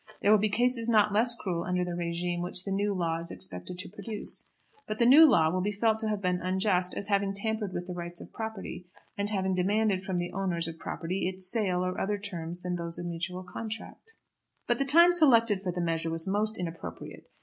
There will be cases not less cruel under the régime which the new law is expected to produce. But the new law will be felt to have been unjust as having tampered with the rights of property, and having demanded from the owners of property its sale or other terms than those of mutual contract. But the time selected for the measure was most inappropriate.